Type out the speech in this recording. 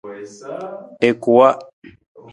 I kuwa.